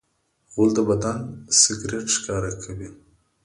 غول د بدن سګرټ ښکاره کوي.